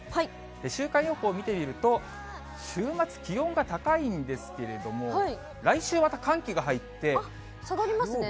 週間予報見てみると、週末、気温が高いんですけれども、下がりますね。